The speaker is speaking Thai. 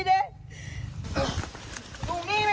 ไปเข้าไปนะหนังให่ไป